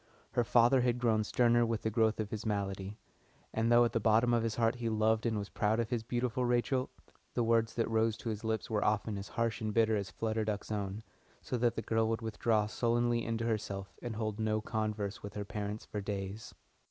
Her father had grown sterner with the growth of his malady, and though at the bottom of his heart he loved and was proud of his beautiful Rachel, the words that rose to his lips were often as harsh and bitter as Flutter Duck's own, so that the girl would withdraw sullenly into herself and hold no converse with her parents for days.